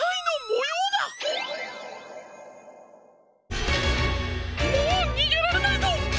もうにげられないぞ！